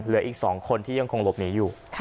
เหลืออีก๒คนที่ยังคงหลบหนีอยู่